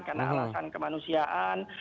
karena alasan kemanusiaan